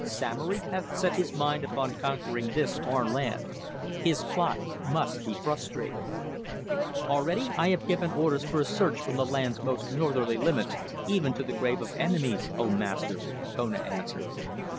Samory hath set his mind upon conquering this our land; his plot must be frustrated." "Already have I given orders for a search from the land's most northerly limits even to the Grave of Enemies, O Master," Kona answered.